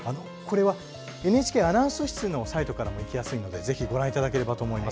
ＮＨＫアナウンス室のサイトからも行きやすいので、ぜひご覧いただければと思います。